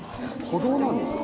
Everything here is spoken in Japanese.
歩道なんですか。